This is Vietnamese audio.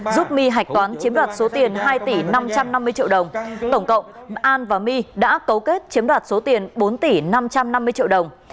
giúp my hạch toán chiếm đoạt số tiền hai tỷ năm trăm năm mươi triệu đồng tổng cộng an và my đã cấu kết chiếm đoạt số tiền bốn tỷ năm trăm năm mươi triệu đồng